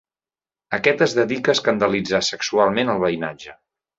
Aquest es dedica a escandalitzar sexualment el veïnatge.